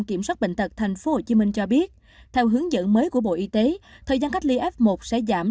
kiểm soát bệnh tật tp hcm cho biết theo hướng dẫn mới của bộ y tế thời gian cách ly f một sẽ giảm